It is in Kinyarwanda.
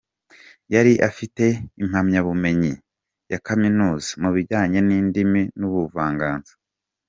Yari afite impamyabumenyi ya kaminuza mu bijyanye n’indimi n’ubuvanganzo.